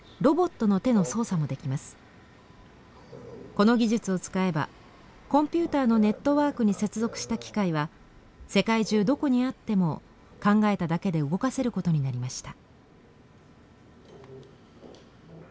この技術を使えばコンピューターのネットワークに接続した機械は世界中どこにあっても考えただけで動かせることになりました。